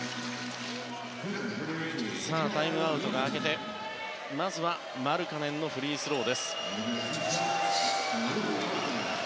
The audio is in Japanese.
タイムアウトが明けてまずマルカネンのフリースロー。